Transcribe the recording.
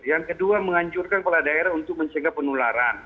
yang kedua menganjurkan kepala daerah untuk mencegah penularan